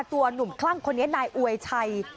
หนุ่มคลั่งคนนี้นายอวยชัย